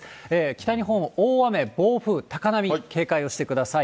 北日本、大雨、暴風、高波、警戒をしてください。